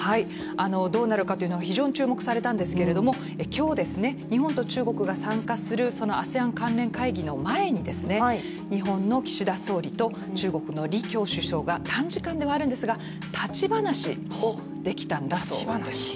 どうなるかというのが非常に注目されたんですが今日、日本と中国が参加するそのＡＳＥＡＮ関連会議の前に日本の岸田総理と中国の李強首相が短時間ではあるんですが立ち話をできたんだそうです。